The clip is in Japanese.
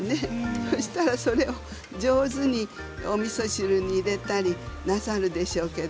そうしたらそれを上手におみそ汁に入れたりなさるでしょうけど